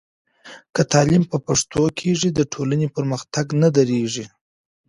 که تعلیم په پښتو کېږي، د ټولنې پرمختګ نه درېږي.